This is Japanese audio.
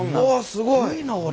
すごいなこれ。